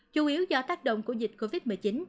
chủ yếu do tác động của dịch covid một mươi chín